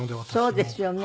そうですよね。